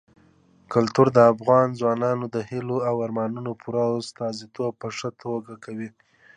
کلتور د افغان ځوانانو د هیلو او ارمانونو پوره استازیتوب په ښه توګه کوي.